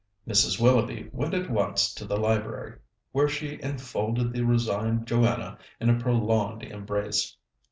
Mrs. Willoughby went at once to the library, where she enfolded the resigned Joanna in a prolonged embrace.